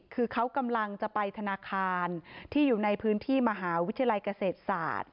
คือเขากำลังจะไปธนาคารที่อยู่ในพื้นที่มหาวิทยาลัยเกษตรศาสตร์